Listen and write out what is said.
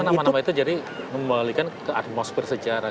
nama nama itu jadi membalikan ke atmosfer sejarah